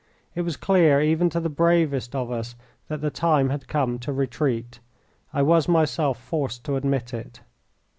It was clear even to the bravest of us that the time had come to retreat. I was myself forced to admit it.